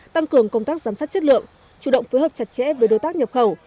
tăng cường công tác giám sát chất lượng chủ động phối hợp chặt chẽ với đối tác nhập khẩu